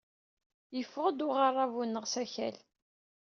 Yeffeɣ-d uɣerrabu-nneɣ s akal.